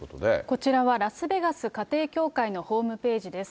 こちらはラスベガス家庭教会のホームページです。